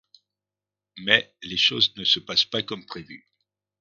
Mais les choses ne se passent pas comme prévu.